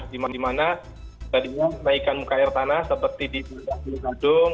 di mana mana tadinya kenaikan muka air tanah seperti di bunga bunga gadung